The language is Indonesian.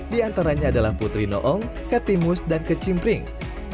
diantaranya adalah putri noong katimus dan kecimpring